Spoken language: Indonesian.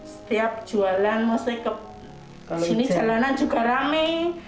setiap jualan mesti ke sini jalanan juga rame